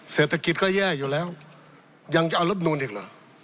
เศรษฐกิจก็แย่อยู่แล้วยังจะเอารับนูนอีกเหรอ